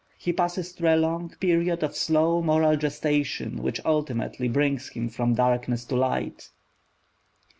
He passes through a long period of slow moral gestation, which ultimately brings him from darkness to light.